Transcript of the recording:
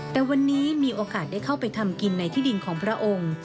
แต่วันนี้มีโอกาสได้เข้าไปทำกินในที่ดินของพระองค์